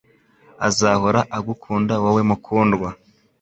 Azahora agukunda Wowe Mukundwa